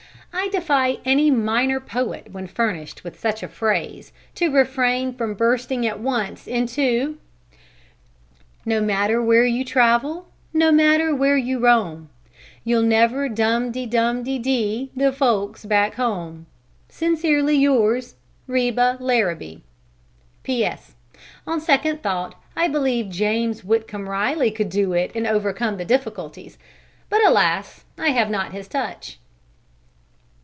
I defy any minor poet when furnished with such a phrase, to refrain from bursting at once into: No matter where you travel, no matter where you roam, You'll never dum di dum di dee The folks back home. Sincerely yours, REBA LARRABEE. P.S. On second thought I believe James Whitcomb Riley could do it and overcome the difficulties, but alas! I have not his touch!